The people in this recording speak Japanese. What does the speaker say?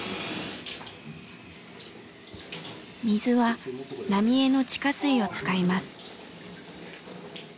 水は浪江の地下水を使います。